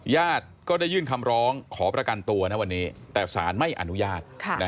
ญาติก็ได้ยื่นคำร้องขอประกันตัวนะวันนี้แต่สารไม่อนุญาต